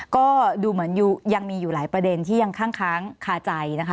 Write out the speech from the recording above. ก็ดูเหมือนยังมีอยู่หลายประเด็นที่ยังข้างคาใจนะคะ